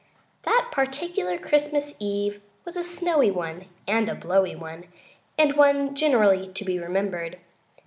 That particular Christmas eve was a snowy one and a blowy one, and one generally to be remembered.